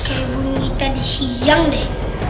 kayak bunyi tadi siang deh